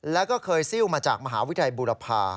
แล้วก็เคยซิลมาจากมหาวิทยาลัยบูรพา